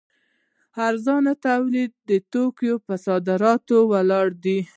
ارزانه تولیدي توکو پر صادراتو ولاړ دی.